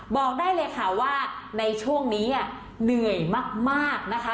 บอกได้เลยค่ะว่าในช่วงนี้เหนื่อยมากนะคะ